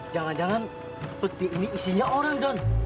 jangan jangan peti ini isinya orang dong